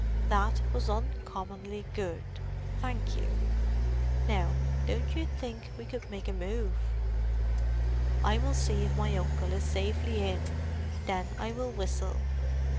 "That was uncommonly good, thank you. Now, don't you think we could make a move?" "I will see if my uncle is safely in. Then I will whistle."